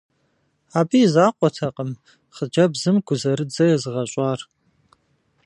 Абы и закъуэтэкъым хъыджэбзым гузэрыдзэ езыгъэщӏар.